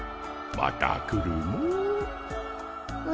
また来るモ。